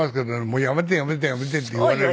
「もうやめてやめてやめて」って言われる。